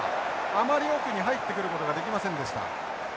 あまり奥に入ってくることができませんでした。